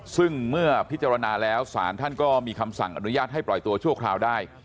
ซึ่งเมื่อพิจารณาแล้วสารท่านก็มีคำสั่งอนุญาตให้ปล่อยตัวชั่วคราวได้